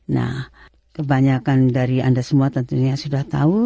nah kebanyakan dari anda semua tentunya sudah tahu